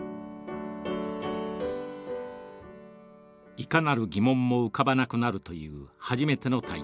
いかなる疑問も浮かばなくなるという初めての体験。